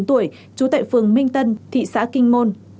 trú tại phường minh tân thị xã kinh môn